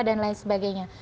dan lain sebagainya